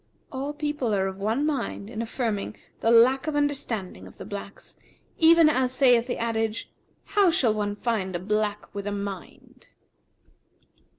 [FN#360] All people are of one mind in affirming the lack of understanding of the blacks, even as saith the adage, 'How shall one find a black with a mind?'